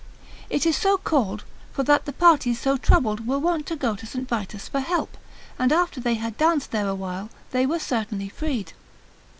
It is so called, for that the parties so troubled were wont to go to St. Vitus for help, and after they had danced there awhile, they were certainly freed.